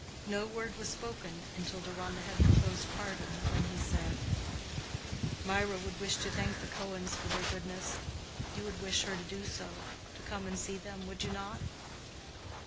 No word was spoken until Deronda had proposed parting, when he said, "Mirah would wish to thank the Cohens for their goodness. You would wish her to do so—to come and see them, would you not?"